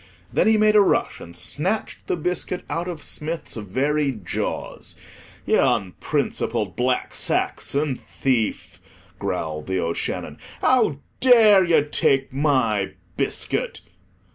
Then he made a rush and snatched the biscuit out of Smith's very jaws. "Ye onprincipled black Saxon thief," growled The O'Shannon; "how dare ye take my biscuit?"